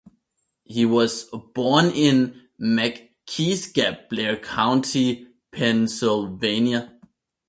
He was born in Mc Kee's Gap, Blair County, Pennsylvania.